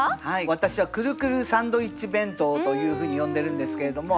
私は「くるくるサンドイッチ弁当」というふうに呼んでるんですけれども。